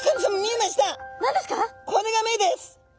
これが目です！